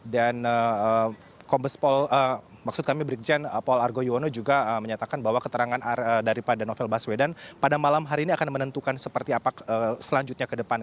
dan kompes polri maksud kami brigjen pol argo iwono juga menyatakan bahwa keterangan daripada novel baswedan pada malam hari ini akan menentukan seperti apa selanjutnya ke depan